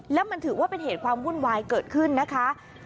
แล้วมันถือว่าเป็นเหตุความวุ่นวายเกิดขึ้นนะคะ